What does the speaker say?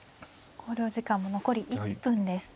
考慮時間も残り１分です。